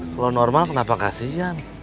kalau normal kenapa kasian